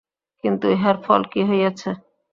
কিন্তু ইহার ফল কি হইয়াছে।